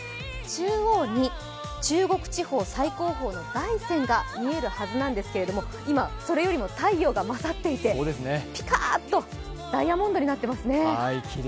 中央に中国地方最高峰の大山が見えるはずなんですけど今、それよりも太陽が勝っていてピカーッとダイヤモンドになっていますね。